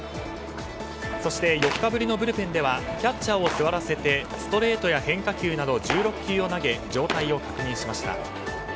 そして、４日ぶりのブルペンではキャッチャーを座らせてストレートや変化球など１６球を投げ状態を確認しました。